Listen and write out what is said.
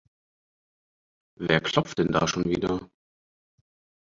Wer klopft denn da schon wieder?